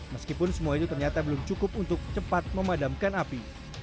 meskipun semua itu ternyata belum cukup untuk cepat memadamkan api